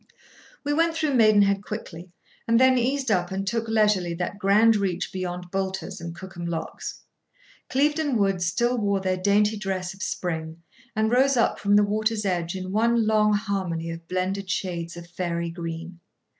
[Picture: River scene] We went through Maidenhead quickly, and then eased up, and took leisurely that grand reach beyond Boulter's and Cookham locks. Clieveden Woods still wore their dainty dress of spring, and rose up, from the water's edge, in one long harmony of blended shades of fairy green.